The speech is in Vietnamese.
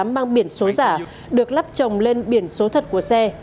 mang biển số giả được lắp trồng lên biển số thật của xe